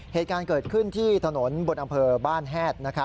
เหตุการณ์เกิดขึ้นที่ถนนบนอำเภอบ้านแฮด